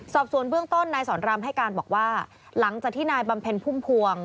สอบสวนเบื้องต้นนายสอนรามให้การบอกว่าหลังจากที่นายบำเพ็ญพุ่มพวง